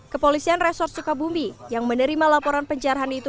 kepolisian resort sukabumi yang menerima laporan penjarahan itu